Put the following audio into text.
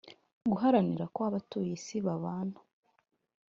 guharanira ko abatuye isi babana